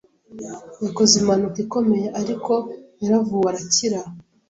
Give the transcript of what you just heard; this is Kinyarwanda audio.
Yakoze impanuka ikomeye ariko Yaravuwe arakira.